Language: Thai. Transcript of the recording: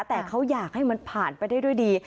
แต่เขาอยากให้มันผ่านไปได้ด้วยดี